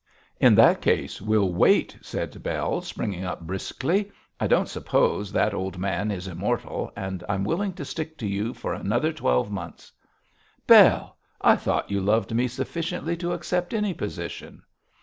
'In that case we'll wait,' said Bell, springing up briskly. 'I don't suppose that old man is immortal, and I'm willing to stick to you for another twelve months.' 'Bell! I thought you loved me sufficiently to accept any position.'